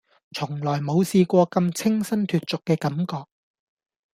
從來冇試過咁清新脫俗嘅感覺